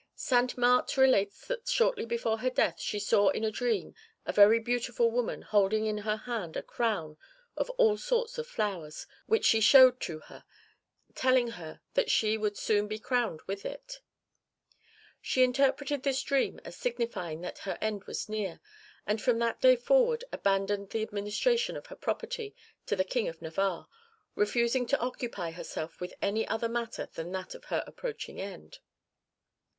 Sainte Marthe relates that shortly before her death she saw in a dream a very beautiful woman holding in her hand a crown of all sorts of flowers which she showed to her, telling her that she would soon be crowned with it.(1) 1 Oraison funèbre, &c., p. 104. She interpreted this dream as signifying that her end was near, and from that day forward abandoned the administration of her property to the King of Navarre, refusing to occupy herself with any other matter than that of her approaching end.